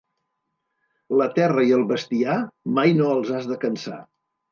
La terra i el bestiar, mai no els has de cansar.